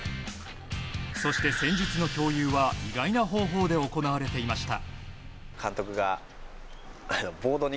そして、戦術の共有は意外な方法で行われていました。